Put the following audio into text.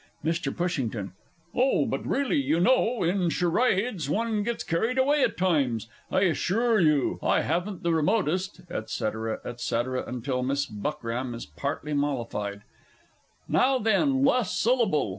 MR. PUSHINGTON. Oh, but really, you know, in Charades one gets carried away at times. I assure you, I hadn't the remotest (&c, &c. until Miss Buckram is partly mollified.) Now then last syllable.